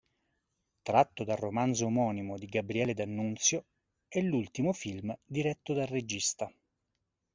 Tratto dal romanzo omonimo di Gabriele D'Annunzio, è l'ultimo film diretto dal regista.